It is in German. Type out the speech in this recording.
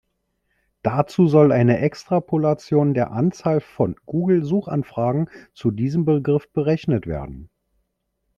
Dazu soll eine Extrapolation der Anzahl von Google-Suchanfragen zu diesem Begriff berechnet werden.